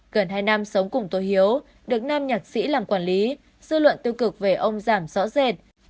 gần hai năm sống cùng tô hiếu được nam nhạc sĩ làm quản lý dư luận tiêu cực về ông giảm rõ rệt